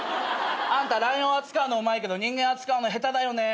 あんたライオン扱うのうまいけど人間扱うの下手だよね。